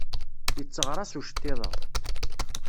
Yetteɣraṣ uceṭṭiḍ-a.